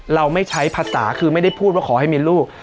เราไม่ใช้ภาษาคือไม่ได้พูดว่าขอให้มีลูก